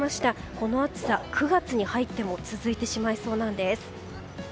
この暑さ、９月に入っても続いてしまいそうなんです。